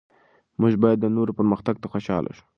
موږ باید د نورو پرمختګ ته خوشحال شو.